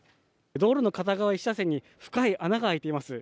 道路の片側１車線に深い穴が空いています。